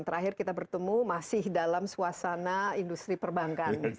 terakhir kita bertemu masih dalam suasana industri perbankan